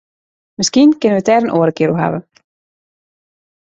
Miskien kinne wy it der in oare kear oer hawwe.